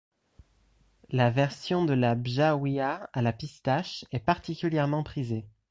La version de la bjawia à la pistache est particulièrement prisée.